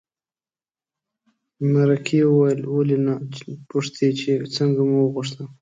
مرکې وویل ولې نه پوښتې چې څنګه مو وغوښته.